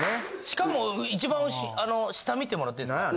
しかも一番下見てもらっていいですか？